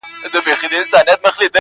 د همدې مېله کونکو لخوا